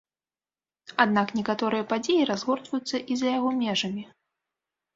Аднак некаторыя падзеі разгортваюцца і за яго межамі.